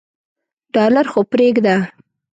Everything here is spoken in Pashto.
ډالر خو پریږده.